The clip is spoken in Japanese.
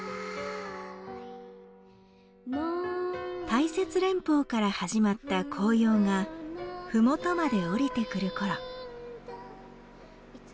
大雪連峰から始まった紅葉がふもとまで下りてくるころ。